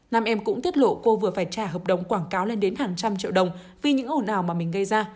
nam em cũng tiết lộ cô vừa phải trả hợp đồng quảng cáo lên đến hàng trăm triệu đồng vì những ồn ào mà mình gây ra